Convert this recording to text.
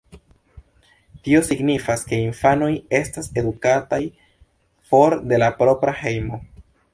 Tio signifas, ke infanoj estas edukataj for de la propra hejmo.